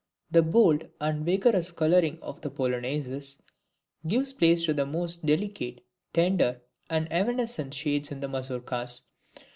The bold and vigorous coloring of the Polonaises gives place to the most delicate, tender, and evanescent shades in the Mazourkas.